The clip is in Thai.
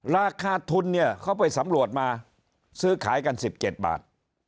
ราคาทุนเนี่ยเขาไปสำรวจมาซื้อขายกัน๑๗บาท